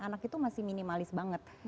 anak itu masih minimalis banget